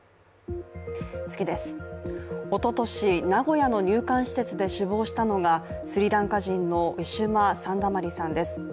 おととし、名古屋の入管施設で死亡したのがスリランカ人のウィシュマ・サンダマリさんです。